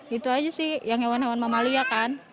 gitu aja sih yang hewan hewan mamalia kan